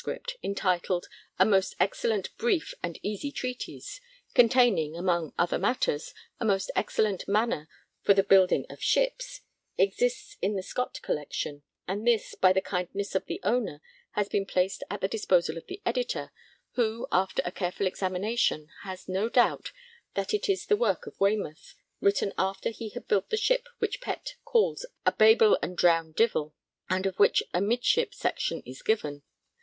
entitled, 'A most excellent briefe and easie Treatize,' containing, among other matters, 'A most excellent mannor for the Buildinge of Shippes,' exists in the Scott collection, and this, by the kindness of the owner, has been placed at the disposal of the editor, who, after a careful examination, has no doubt that it is the work of Waymouth, written after he had built the ship which Pett calls a 'bable and drowne divell,' and of which a midship section is given.